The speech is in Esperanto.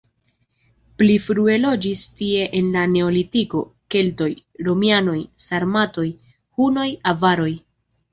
Pli frue loĝis tie en la neolitiko, keltoj, romianoj, sarmatoj, hunoj, avaroj.